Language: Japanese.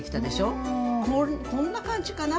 こんな感じかな。